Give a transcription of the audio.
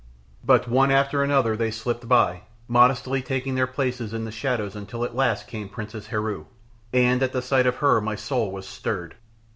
But one after another they slipped by, modestly taking their places in the shadows until at last came Princess Heru, and at the sight of her my soul was stirred.